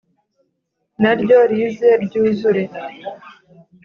Naryo rize ryuzure